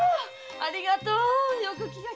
ありがとうよく気がきくわね。